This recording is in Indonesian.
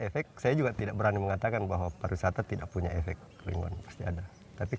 efek saya juga tidak berani mengatakan bahwa pariwisata tidak punya efek ringan pasti ada tapi